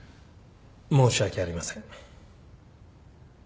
申し訳ありません。